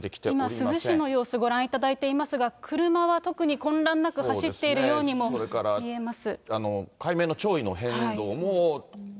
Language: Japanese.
今、珠洲市の様子をご覧いただいていますが、車は特に混乱なく走っているようにも見えます。